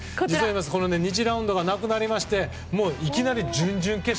２次ラウンドがなくなりましてもう、いきなり準々決勝。